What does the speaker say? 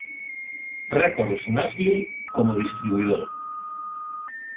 Records Nashville como distribuidor.